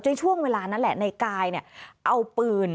ช่วงเวลานั้นแหละในกายเอาปืน